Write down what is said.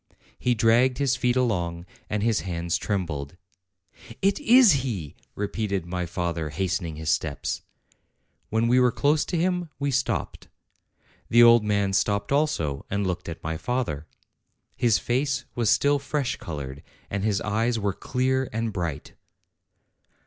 He dragged his feet along, and his hands trembled. "It is he!" repeated my father, hastening his steps. When we were close to him, we stopped. The old man stopped also and looked at my father. His face was still fresh colored, and his eyes were clear and bright.